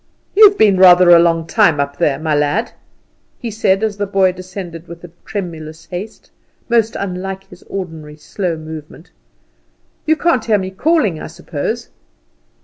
"You've been rather a long time up there, my lad," he said, as the boy descended with a tremulous haste, most unlike his ordinary slow movements. "You didn't hear me calling, I suppose?"